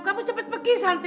kamu cepat pergi santi